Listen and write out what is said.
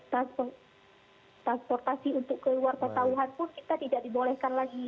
jadi transportasi untuk ke luar kota wuhan pun kita tidak dibolehkan lagi